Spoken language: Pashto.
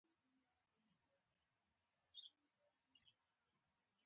مقاومت د انسانیت نښه ده.